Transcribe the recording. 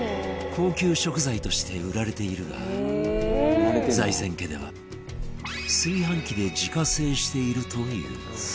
高級食材として売られているが財前家では炊飯器で自家製しているという松本：